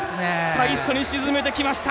最初に沈めてきました！